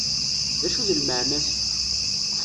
D acu d lmeεna-s?